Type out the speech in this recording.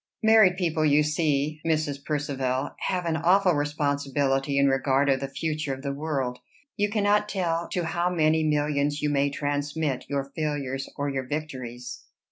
Married people, you see, Mrs. Percivale, have an awful responsibility in regard of the future of the world. You cannot tell to how many millions you may transmit your failures or your victories."